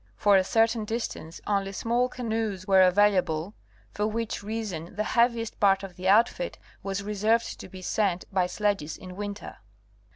For a certain distance only small canoes were available, for which reason the heaviest part of the outfit was reserved to be sent by sledges in winter.